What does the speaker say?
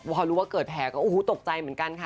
พอรู้ว่าเกิดแผลก็โอ้โหตกใจเหมือนกันค่ะ